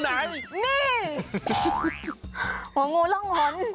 หัวงูร่องร้อง